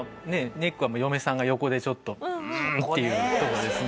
ネックは嫁さんが横でちょっと「うん」っていうとこですね。